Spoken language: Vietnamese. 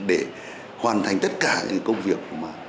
để hoàn thành tất cả những công việc